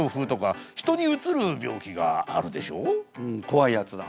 うん怖いやつだ。